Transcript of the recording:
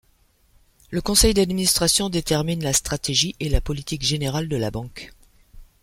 Le Conseil d'administration détermine la stratégie et la politique générale de la Banque.